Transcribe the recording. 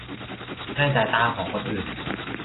ในสายตาของคนอื่น